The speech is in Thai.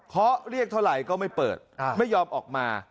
เขาเรียกเท่าไหร่ก็ไม่เปิดไม่ยอมออกมา